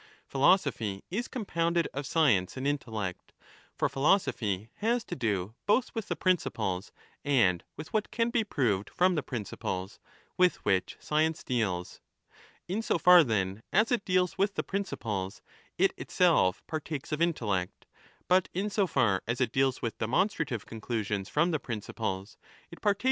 Philosophy is compounded of science and intellect. For philosophy has to do both with the principles and with what can be proved from the principles, with which science 25 deals. In so far, then, as it deals with the principles, it itself partakes of intellect, but in so far as it deals with demonstrative conclusions from the principles, it partakes 3 13 = E.